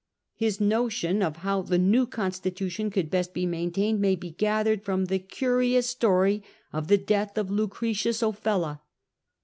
His notion of how the new constitution could best be maintained may be gathered from the curious story of the death of Lucretius Ofella.